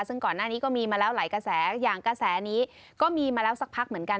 ซึ่งก่อนหน้านี้ก็มีมาแล้วหลายกระแสอย่างกระแสนี้ก็มีมาแล้วสักพักเหมือนกัน